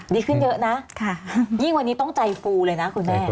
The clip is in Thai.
ดีขึ้นเยอะนะยิ่งวันนี้ต้องใจฟูเลยนะคุณแม่